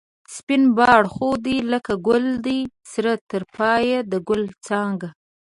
سپین باړخو دی لکه گل دی سر تر پایه د گل څانگه